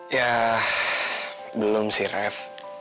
ya belum sih rev